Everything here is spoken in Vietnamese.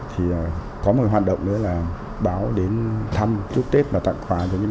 thì có một hoạt động nữa là báo đến thăm chúc tết và tặng quà cho những bệnh nhân